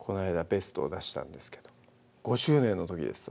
ベストを出したんですけど５周年の時です